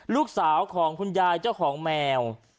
ลูกชายของคุณยายเจ้าของแมว